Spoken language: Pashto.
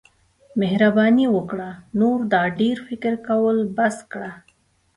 مهرباني وکړه نور دا ډیر فکر کول بس کړه.